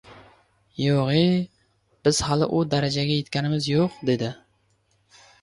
— Yo‘g‘-ye, biz hali u darajaga yetganimiz yo‘q, — dedi.